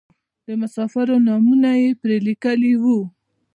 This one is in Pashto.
د مسافرو نومونه یې پرې لیکلي وو.